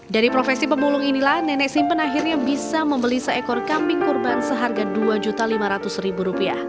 dari profesi pemulung inilah nenek simpen akhirnya bisa membeli seekor kambing kurban seharga rp dua lima ratus